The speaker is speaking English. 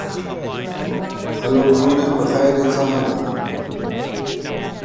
About midnight, an armed rescue party formed.